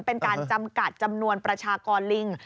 เป็นการจำกัดจำนวนประชากรลิง